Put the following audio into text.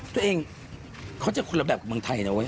ตัวเองเขาจะคุณแบบเมืองไทยนะเว้ย